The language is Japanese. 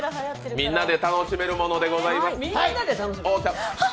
みんなで楽しめるものでございます。